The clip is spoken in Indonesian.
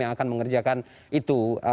yang akan mengerjakan itu